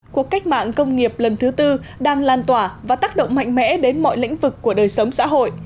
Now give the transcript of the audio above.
cuộc cách mạng công nghiệp lần thứ tư đang lan tỏa và tác động mạnh mẽ đến mọi lĩnh vực của đời sống xã hội